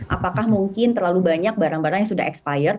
apakah mungkin terlalu banyak barang barang yang sudah expired